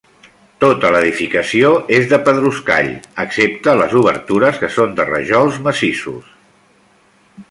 Tota l'edificació és de pedruscall excepte les obertures, que són de rajols massissos.